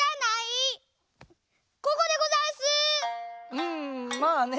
うんまあね